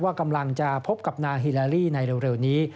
กำลังจะพบกับนางฮิลาลี่ในเร็วนี้